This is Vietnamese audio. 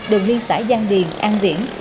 đường liên xã giang điền an viễn